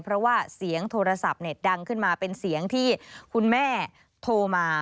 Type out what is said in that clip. เพราะว่าเสียงโทรศัพท์ดังขึ้นมาเป็นเสียงที่คุณแม่โทรมา